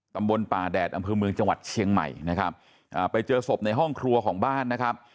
ตำบลป่าแดดอำเภอเมืองจังหวัดเชียงใหม่นะครับอ่าไปเจอศพในห้องครัวของบ้านนะครับ